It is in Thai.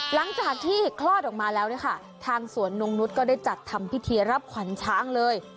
หลังจากที่คลอดออกมาแล้วเนี่ยค่ะทางสวนนงนุษย์ก็ได้จัดทำพิธีรับขวัญช้างเลย